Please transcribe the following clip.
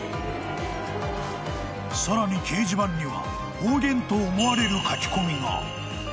［さらに掲示板には方言と思われる書き込みが］